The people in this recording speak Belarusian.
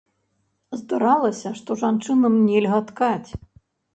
Здаралася, што жанчынам нельга ткаць.